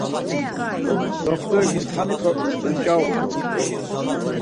T̆oxt̆ori, mutxanepe unç̌aramt̆u.